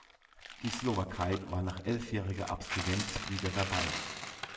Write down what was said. Die Slowakei war nach elfjähriger Abstinenz wieder dabei.